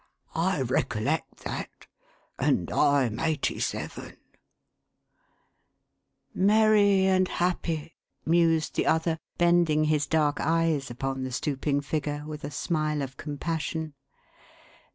I recollect that. And I'm eighty seven !"" Merry and happy !" mused the other, bending his dark eyes upon the stooping figure, with a smile of compassion.